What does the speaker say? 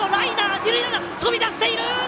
二塁が飛び出している！